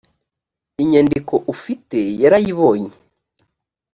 inyandiko ufite yarayibonye